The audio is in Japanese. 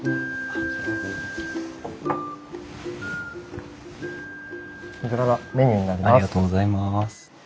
ありがとうございます。